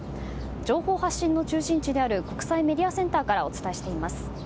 情報発信の中心地である国際メディアセンターからお伝えしています。